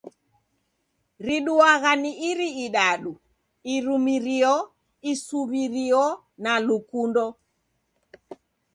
Riduagha ni iri idadu, Irumirio, isuw'irio, na lukundo